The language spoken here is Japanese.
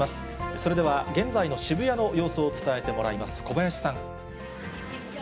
それでは現在の渋谷の様子を伝えてもらいます。